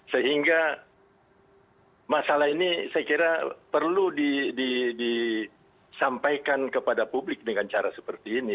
sehingga masalah ini saya kira perlu disampaikan kepada publik dengan cara seperti ini